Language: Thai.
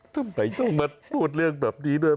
ทำไมต้องมาพูดเรื่องแบบนี้ด้วย